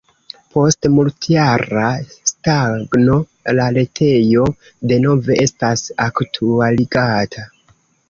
Post multjara stagno la retejo denove estas aktualigata.